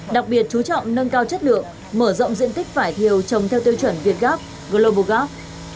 đặc biệt chú trọng nâng cao chất lượng mở rộng diện tích vải thiều trồng theo tiêu chuẩn việt gap global gap